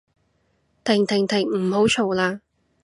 停停停唔好嘈喇